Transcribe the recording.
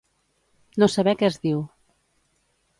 No saber què es diu.